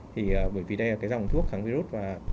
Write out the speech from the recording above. thì bởi vì đây là cái dòng thuốc kháng virus